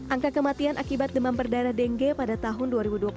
angka kematian akibat demam berdarah dengue pada tahun dua ribu dua puluh satu